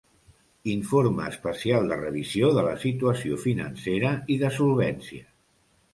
Informe especial de revisió de la situació financera i de solvència.